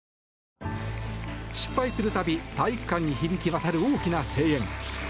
失敗するたび体育館に響きわたる大きな声援。